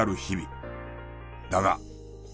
だが。